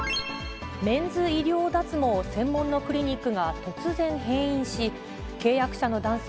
メンズ医療脱毛専門のクリニックが突然閉院し、契約者の男性